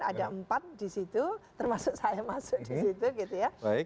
ada empat di situ termasuk saya masuk di situ